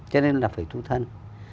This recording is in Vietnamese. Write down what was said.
cho nên là phải tu thân